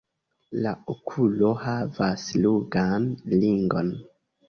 La okulo havas ruĝan ringon.